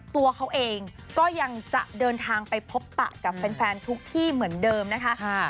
ตัวเขาเองก็ยังจะเดินทางไปพบปะกับแฟนทุกที่เหมือนเดิมนะคะ